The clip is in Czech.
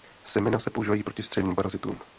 Semena se používají proti střevním parazitům.